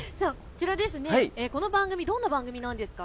この番組、どんな番組なんですか。